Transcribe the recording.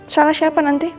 salah siapa nanti